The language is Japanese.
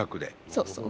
そうそう。